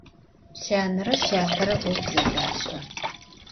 Syanere syatere 'of zedaş'e.